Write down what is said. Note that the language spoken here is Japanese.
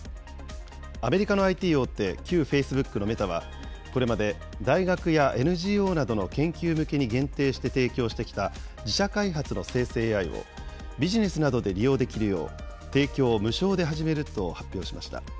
アメリカのＩＴ大手、旧フェイスブックのメタは、これまで大学やＮＧＯなどの研究向けに限定して提供してきた自社開発の生成ＡＩを、ビジネスなどで利用できるよう、提供を無償で始めると発表しました。